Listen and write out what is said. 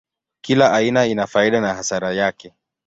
Kila aina ina faida na hasara yake.